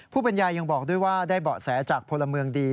บรรยายยังบอกด้วยว่าได้เบาะแสจากพลเมืองดี